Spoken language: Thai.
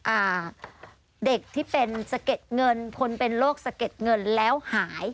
อ่าเด็กที่เป็นสะเก็ดเงินคนเป็นโรคสะเก็ดเงินแล้วหาย